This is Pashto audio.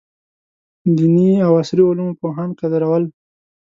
دیني او عصري علومو پوهان قدرول.